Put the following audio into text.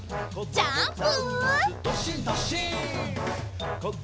ジャンプ！